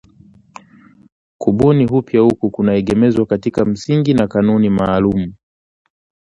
Kubuni upya huku kunaegemezwa kwenye msingi na kanuni maalum